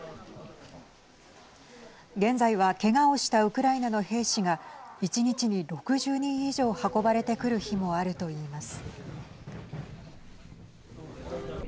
現在はけがをしたウクライナの兵士が１日に６０人以上運ばれてくる日もあると言います。